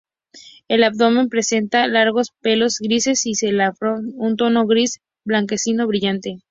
El abdomen presenta largos pelos grises y el cefalotórax un tono gris-blanquecino brillante.